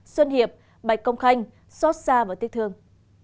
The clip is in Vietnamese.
xuân hiệp bạch công khanh xót xa và tiếc thương